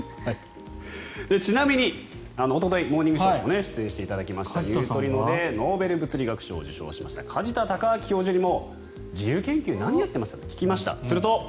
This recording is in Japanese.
ちなみに、おととい「モーニングショー」に出演していただきましたニュートリノでノーベル物理学賞受賞の梶田隆章教授にも自由研究何やってました？と聞きました。